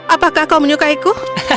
apakah kau menyukaiku